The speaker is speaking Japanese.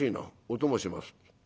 お供します』。